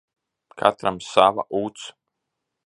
Katram sava uts.